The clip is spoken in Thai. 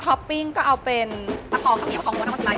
ท็อปปิ้งก็เอาเป็นมะพร้อมข้าวเหนียวของมะพร้อมข้าวสลาย